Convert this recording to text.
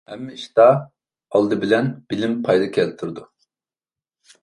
ھەممە ئىشتا ئالدى بىلەن بىلىم پايدا كەلتۈرىدۇ.